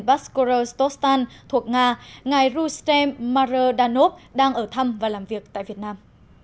baskorostostan thuộc nga ngài rustem mardanov đang ở thăm và làm việc tại việt nam